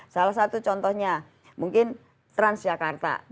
salah satu contohnya mungkin transjakarta